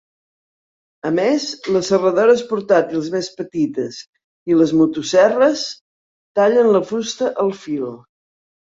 A més, les serradores portàtils més petites y les motoserres tallen la fusta al fil.